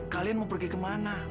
kalian mau pergi kemana